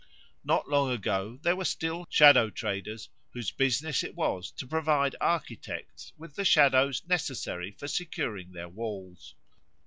Not long ago there were still shadow traders whose business it was to provide architects with the shadows necessary for securing their walls.